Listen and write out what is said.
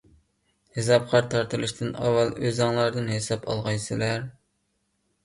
ھېسابقا تارتىلىشتىن ئاۋۋال ئۆزۈڭلاردىن ھېساب ئالغايسىلەر.